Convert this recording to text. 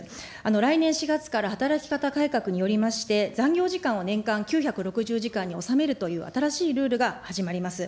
来年４月から働き方改革によりまして、残業時間を年間９６０時間に収めるという新しいルールが始まります。